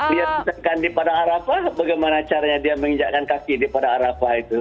dia menginjakkan di pada arafah atau bagaimana caranya dia menginjakkan kaki di pada arafah itu